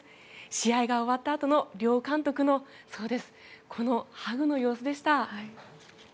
試合が終わったあとの両監督のこのハグの様子でした。